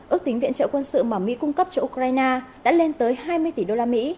ước tính viện trợ quân sự mà mỹ cung cấp cho ukraine đã lên tới hai mươi tỷ đô la mỹ